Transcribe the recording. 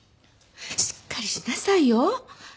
しっかりしなさいよ！